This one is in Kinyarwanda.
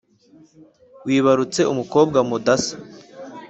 Wibarutse umukobwa mudasa